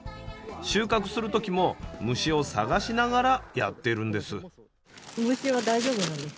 収穫する時も虫を探しながらやってるんです。